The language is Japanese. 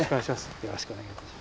よろしくお願いします。